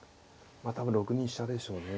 まあ多分６二飛車でしょうね。